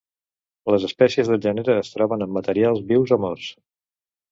Les espècies del gènere es troben en materials vius o morts.